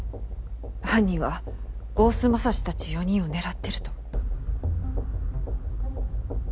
犯人は大須匡たち４人を狙っていると？